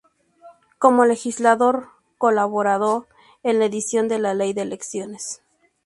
Como legislador colaboró en la edición de la ley de elecciones.